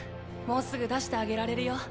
もうすぐ出してあげられるよ。